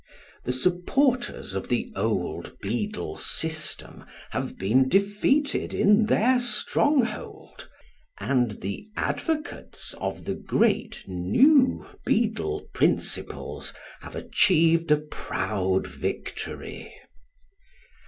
The sup porters of the old beadle system have been defeated in their stronghold, and the advocates of the great new beadle principles have achieved a proud victory.